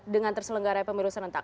dengan terselenggarai pemilu serentak